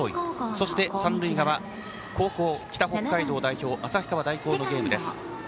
そして、三塁側後攻、北北海道代表の旭川大高のゲームです。